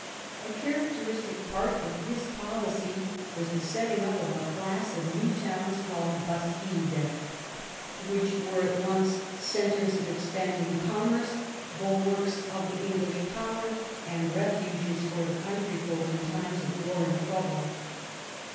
A characteristic part of his policy was the setting up of a class of new towns, called bastides, which were at once centres of expanding commerce, bulwarks of the English power, and refuges for the country folk in times of war and trouble.